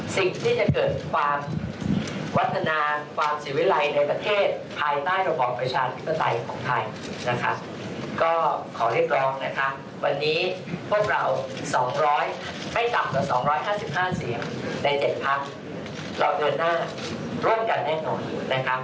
วันนี้พวกเราไม่ต่ำกว่า๒๕๕เสียงใน๗พักเราเดินหน้าร่วมกันแน่นอน